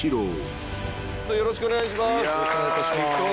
よろしくお願いします。